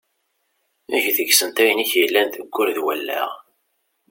Eg deg-sent ayen i k-yellan deg wul d wallaɣ.